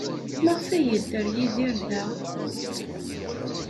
Maɣef ay yedder Yidir da?